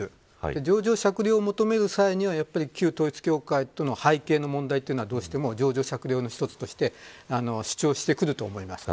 情状酌量を求める際には旧統一教会との背景の問題はどうしても情状酌量の一つとして主張してくると思います。